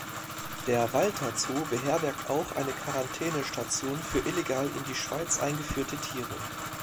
Der Walter Zoo beherbergt auch eine Quarantänestation für illegal in die Schweiz eingeführte Tiere.